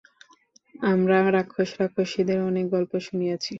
আমরা রাক্ষস-রাক্ষসীর অনেক গল্প শুনিয়াছি।